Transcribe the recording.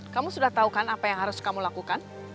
kamu sudah tahu kan apa yang harus kamu lakukan